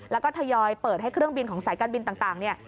แล้วก็ทยอยเปิดให้เครื่องบินของสายการบินต่างเนี่ย